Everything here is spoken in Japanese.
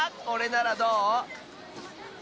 これならどう？